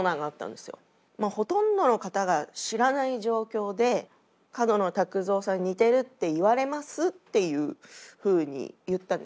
ほとんどの方が知らない状況で「角野卓造さんに似てるって言われます」っていうふうに言ったんですね。